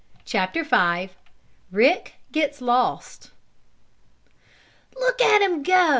CHAPTER V RICK GETS LOST "Look at him go!